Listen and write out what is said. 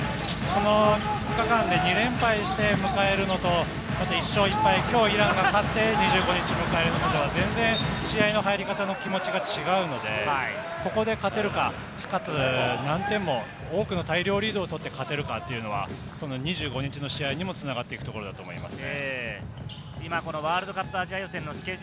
この２日間で２連敗して迎えるのと、１勝１敗、今日イランが勝って２５日を迎えるのとでは全然試合の入り方の気持ちが違うので、ここで勝てるか、かつ難点も多くの大量リードを取って勝てるかというのは２５日の試合にも繋がっていくところだと思います。